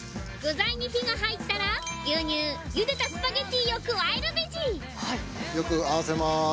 具材に火が入ったら牛乳ゆでたスパゲティーを加えるベジよく合わせます。